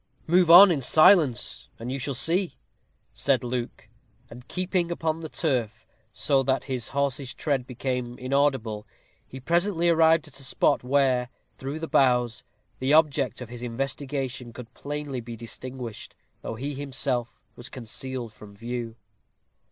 "Move on in silence, and you shall see," said Luke; and keeping upon the turf, so that his horse's tread became inaudible, he presently arrived at a spot where, through the boughs, the object of his investigation could plainly be distinguished, though he himself was concealed from view.